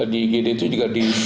di igd itu juga